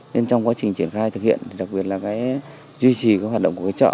nên trong quá trình triển khai thực hiện đặc biệt là duy trì hoạt động của chợ